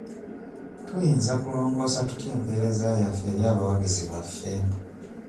Tuyinza kulongoosa tutya empeereza yaffe eri abawagizi baffe?